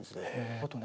あとね